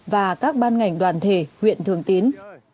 và các ban ngành đoàn thể huyện thường tín